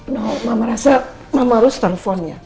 nah mama rasa mama harus teleponnya